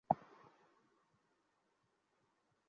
যত ইচ্ছা বকুন।